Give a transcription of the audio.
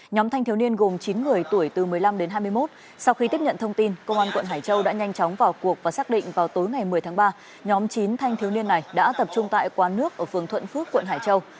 nhóm thanh thiếu niên gồm chín người tuổi từ một mươi năm đến hai mươi một sau khi tiếp nhận thông tin công an quận hải châu đã nhanh chóng vào cuộc và xác định vào tối ngày một mươi tháng ba nhóm chín thanh thiếu niên này đã tập trung tại quán nước ở phường thuận phước quận hải châu